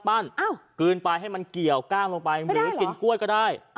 กลืนไปให้มันเกี่ยวกล้างลงไปหรือกินกล้วยก็ได้